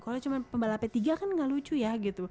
kalau cuma pembalapnya tiga kan gak lucu ya gitu